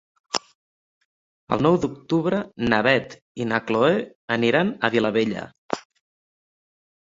El nou d'octubre na Beth i na Chloé aniran a Vilabella.